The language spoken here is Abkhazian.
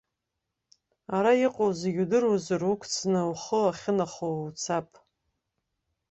Ара иҟоу зегьы удыруазар, уқәҵны, ухы ахьынахоу уцап.